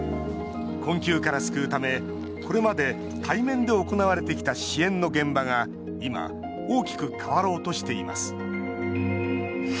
困窮から救うためこれまで対面で行われてきた支援の現場が今、大きく変わろうとしています。